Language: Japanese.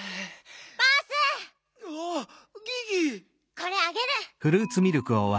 これあげる！